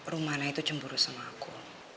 rumahnya itu cemburu sama aku